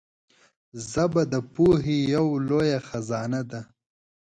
ژبه د پوهې یو لوی خزانه ده